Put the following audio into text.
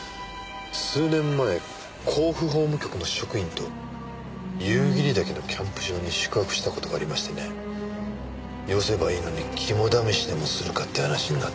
数年前甲府法務局の職員と夕霧岳のキャンプ場に宿泊した事がありましてねよせばいいのに肝試しでもするかって話になったんです。